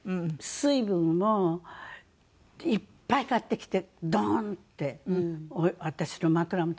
水分もいっぱい買ってきてドーンって私の枕元に置いて。